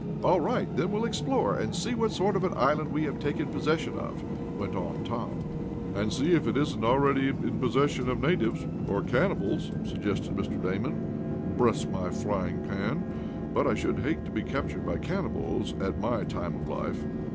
"All right, then we'll explore, and see what sort of an island we have taken possession of," went on Tom. "And see if it isn't already in possession of natives or cannibals," suggested Mr. Damon. "Bless my frying pan! but I should hate to be captured by cannibals at my time of life."